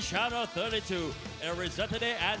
สวัสดีครับทุกคน